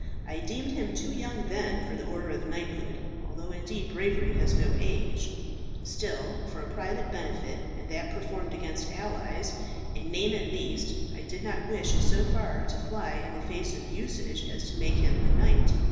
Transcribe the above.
I deemed him too young then for the order of knighthood although indeed bravery has no age; still for a private benefit, and that performed against allies, in name at least, I did not wish so far to fly in the face of usage as to make him a knight.